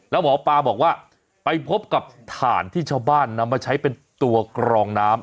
แล้วหมอปลาบอกว่าไปพบกับถ่านที่ชาวบ้านนำมาใช้เป็นตัวกรองน้ำ